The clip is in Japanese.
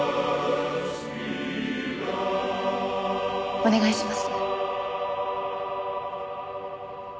お願いします。